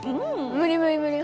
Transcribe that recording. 無理無理無理。